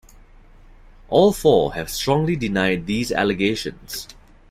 All four have strongly denied these allegations.